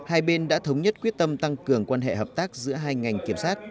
hai bên đã thống nhất quyết tâm tăng cường quan hệ hợp tác giữa hai ngành kiểm sát